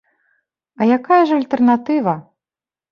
А якая ж альтэрнатыва?